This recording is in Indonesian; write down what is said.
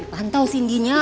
pantau cindy nya